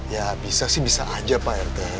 ya bisa sih bisa aja pak rt